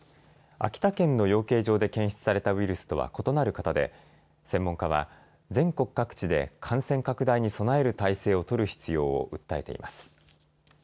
秋田県の養鶏場で検出されたウイルスとは異なる型で専門家は全国各地で感染拡大に備える体制を取る必要を訴えています。